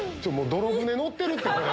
泥舟乗ってるって！